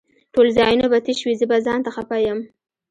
ټول ځايونه به تش وي زه به ځانته خپه يم